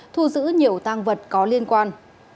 thu giữ nhiều tang vật có liên quan